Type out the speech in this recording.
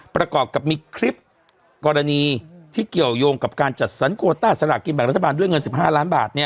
ประกอบกับมีคลิปกรณีที่เกี่ยวยงกับการจัดสรรโคต้าสลากกินแบ่งรัฐบาลด้วยเงิน๑๕ล้านบาท